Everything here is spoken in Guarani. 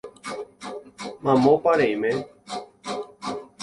Mamópa reime